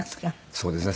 そうですね。